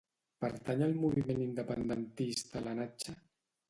Pertany al moviment independentista la Natxa?